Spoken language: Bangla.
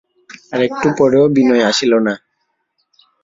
আর-একটু পরেও বিনয় আসিল না।